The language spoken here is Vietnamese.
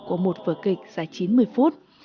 các bản kịch có một vở kịch dài chín mươi phút